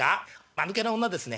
まぬけな女ですね。